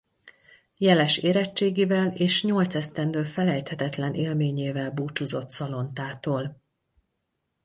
Jeles érettségivel és nyolc esztendő felejthetetlen élményével búcsúzott Szalontától.